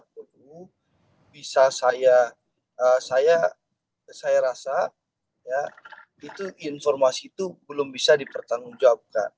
tentu bisa saya rasa itu informasi itu belum bisa dipertanggungjawabkan